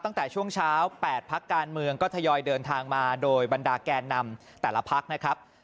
ตั้งแต่ช่วงเช้า๘พักการเมืองก็ทยอยเดินทางมาโดยบรรดาแกนนำแต่ละพักนะครับ